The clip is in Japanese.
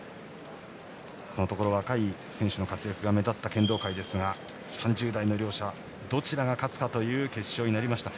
このところ若い選手の活躍が目立った剣道界ですが３０代の両者、どちらが勝つかという決勝になりました。